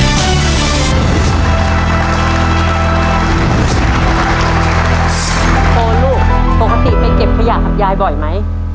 ลูกปกติไปเก็บขยะกับยายบ่อยไหม